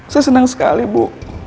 saya senang sekali bu